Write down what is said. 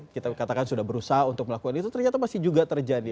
kita katakan sudah berusaha untuk melakukan itu ternyata masih juga terjadi